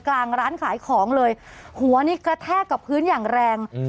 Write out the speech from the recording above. กลางร้านขายของเลยหัวนี้กระแทกกับพื้นอย่างแรงอืม